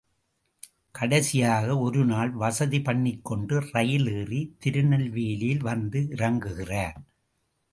கடைசியாக ஒரு நாள் வசதி பண்ணிக்கொண்டு ரயில் ஏறி திருநெல்வேலியில் வந்து இறங்குகிறார்.